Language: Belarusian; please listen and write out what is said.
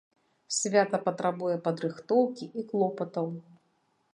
Свята патрабуе падрыхтоўкі і клопатаў.